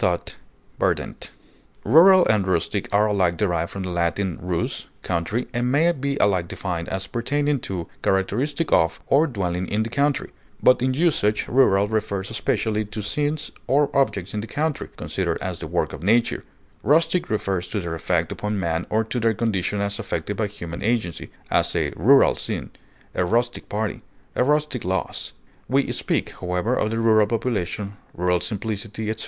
clownish, outlandish, Rural and rustic are alike derived from the Latin rus, country, and may be alike defined as pertaining to, characteristic of, or dwelling in the country; but in usage rural refers especially to scenes or objects in the country, considered as the work of nature; rustic refers to their effect upon man or to their condition as affected by human agency; as, a rural scene; a rustic party; a rustic lass. We speak, however, of the rural population, rural simplicity, etc.